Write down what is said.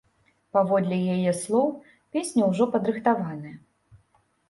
Паводле яе слоў, песня ўжо падрыхтаваная.